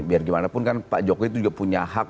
biar gimana pun kan pak jokowi itu juga punya hak